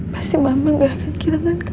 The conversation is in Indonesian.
pasti mama gak akan kehilangan kamu